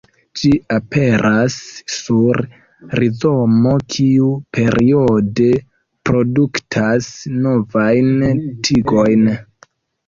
Ĝi aperas sur rizomo, kiu periode produktas novajn tigojn.